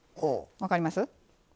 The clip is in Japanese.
分かります。